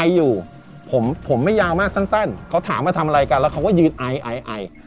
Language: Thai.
อยู่ผมผมไม่ยาวมากสั้นเขาถามว่าทำอะไรกันแล้วเขาก็ยืนไอไอไอ